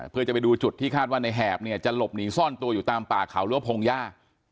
เพื่อจะไปดูจุดที่คาดว่าในแหบเนี่ยจะหลบหนีซ่อนตัวอยู่ตามป่าเขาหรือว่าพงหญ้า